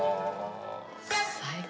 最高。